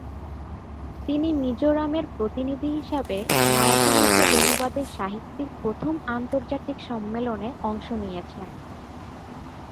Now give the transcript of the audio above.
তিনি মিজোরামের প্রতিনিধি হিসাবে নয়াদিল্লিতে অনুবাদে সাহিত্যের প্রথম আন্তর্জাতিক সম্মেলনে অংশ নিয়েছেন।